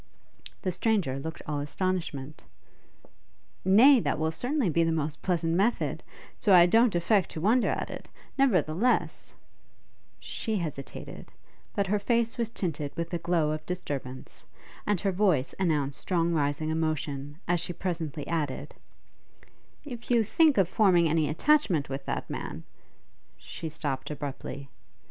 The stranger looked all astonishment. 'Nay, that will certainly be the most pleasant method; so I don't affect to wonder at it; nevertheless ' She hesitated, but her face was tinted with a glow of disturbance, and her voice announced strong rising emotion, as she presently added, 'If you think of forming any attachment with that man ' She stopt abruptly.